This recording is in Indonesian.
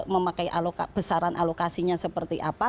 memakai aloka besaran alokasinya seperti apa